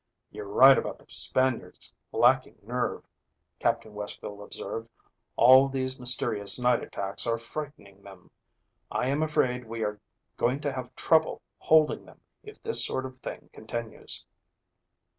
"You're right about the Spaniards lacking nerve," Captain Westfield observed. "All these mysterious night attacks are frightening them. I am afraid we are going to have trouble holding them if this sort of thing continues."